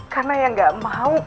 karena yang gak mau